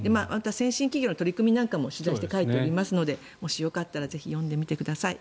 先進企業の取り組みなんかも取材して書いていますのでよかったらぜひ読んでみてください。